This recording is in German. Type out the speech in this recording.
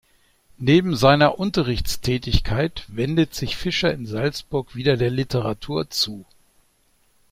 Neben seiner Unterrichtstätigkeit wendet sich Fischer in Salzburg wieder der Literatur zu.